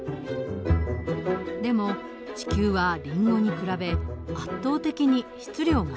でも地球はリンゴに比べ圧倒的に質量が大きい。